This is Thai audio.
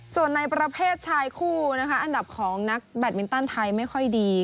ส่วนในประเภทชายคู่นะคะอันดับของนักแบตมินตันไทยไม่ค่อยดี